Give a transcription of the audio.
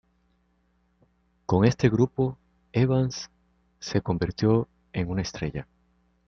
Con este grupo, Evans se convirtió en una estrella.